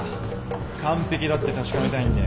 完璧だって確かめたいんで。